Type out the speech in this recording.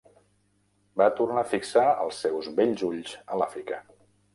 Va tornar a fixar els seus bells ulls a l'Àfrica.